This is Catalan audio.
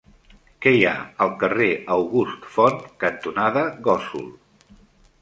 Què hi ha al carrer August Font cantonada Gósol?